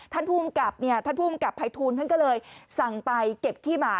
ภูมิกับเนี่ยท่านภูมิกับภัยทูลท่านก็เลยสั่งไปเก็บขี้หมา